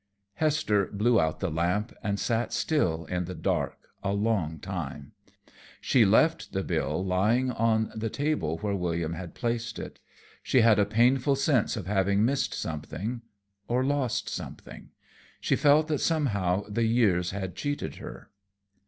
Hester blew out the lamp and sat still in the dark a long time. She left the bill lying on the table where William had placed it. She had a painful sense of having missed something, or lost something; she felt that somehow the years had cheated her.